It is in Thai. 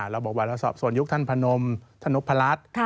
เราบอกว่าสอบสวนยุคท่านภารมน์ท่านรพรรษ